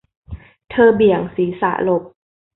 เธอเบี่ยงศีรษะหลบ